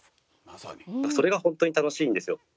それが本当に楽しいんですよ。